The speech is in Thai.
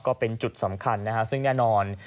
ก็เป็นจุดสำคัญนะฮะซึ่งแน่นอน